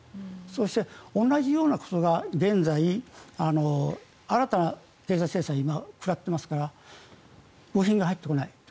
そして同じようなことが現在、新たな経済制裁を食らっていますから部品が入ってこない。